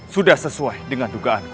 sudah sesuai dengan dugaanku